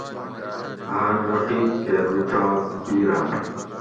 ہاۤر رقیب کہ رُچات بِیرم